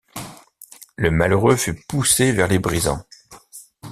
Le malheureux fut poussé vers les brisants.